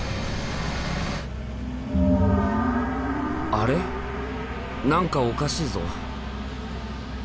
あれ何かおかしいぞ。